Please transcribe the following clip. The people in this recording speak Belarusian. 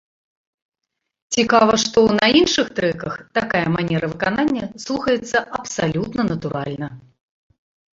Цікава, што на іншых трэках такая манера выканання слухаецца абсалютна натуральна.